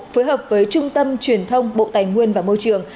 phối hợp với trung tâm truyền thông bộ tài nguyên và môi trường